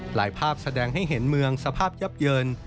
ภาพแสดงให้เห็นเมืองสภาพยับเยิน